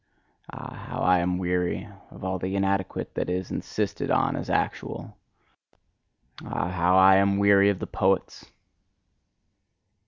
Ah, how I am weary of all the inadequate that is insisted on as actual! Ah, how I am weary of the poets!